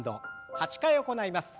８回行います。